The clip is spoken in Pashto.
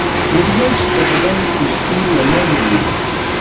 ورزش د بدن سستي له منځه وړي.